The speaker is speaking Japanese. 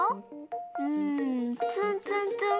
うんツンツンツン。